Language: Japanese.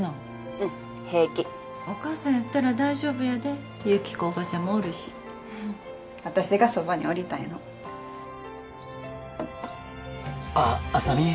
うん平気お母さんやったら大丈夫やでユキコおばちゃんもおるし私がそばにおりたいのあッ浅見？